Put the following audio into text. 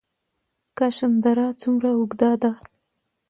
کشم دره څومره اوږده ده؟